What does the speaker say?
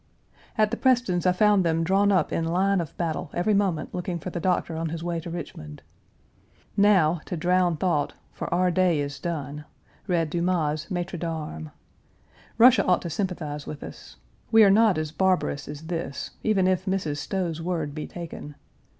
At the Prestons' I found them drawn up in line of battle every moment looking for the Doctor on his way to Richmond. Now, to drown thought, for our day is done, read Dumas's Maîtres d 'Armes. Russia ought to sympathize with us. We are not as barbarous as this, even if Mrs. Stowe's word be taken.